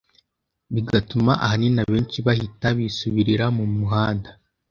bigatuma ahanini abenshi bahita bisubirira mu muhanda.